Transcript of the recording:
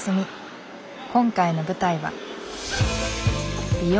今回の舞台は。